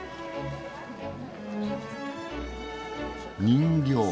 人形。